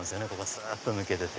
ずっと抜けてて。